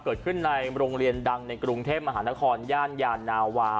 เกิดขึ้นในโรงเรียนดังในกรุงเทพมหานครย่านยานาวา